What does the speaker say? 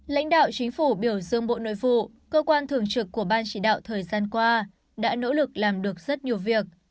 lãnh đạo chính phủ biểu dương bộ nội vụ cơ quan thường trực của ban chỉ đạo thời gian qua đã nỗ lực làm được rất nhiều việc